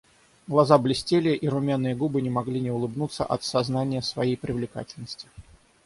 Глаза блестели, и румяные губы не могли не улыбаться от сознания своей привлекательности.